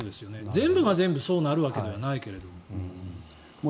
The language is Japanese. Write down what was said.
全部が全部そうなるわけではないけれども。